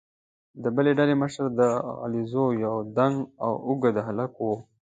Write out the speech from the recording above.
د بلې ډلې مشر د علیزو یو دنګ او اوږد هلک وو.